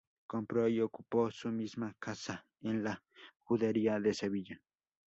Compró y ocupó su misma casa en la judería de Sevilla.